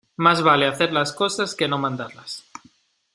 Más vale hacer las cosas que no mandarlas.